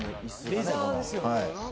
レーザーですよね。